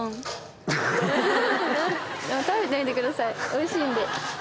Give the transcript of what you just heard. おいしいんで！